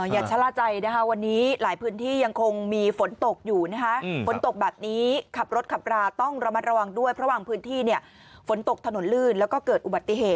อย่าทราบใจนะคะวันนี้หลายพื้นที่ยังมีฝนตกอยู่